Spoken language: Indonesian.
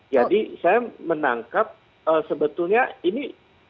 jadi saya menangkap sebetulnya ini